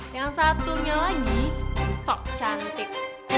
yang satunya lagi sop cantik